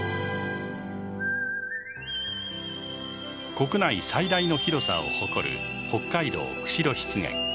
国内最大の広さを誇る北海道釧路湿原。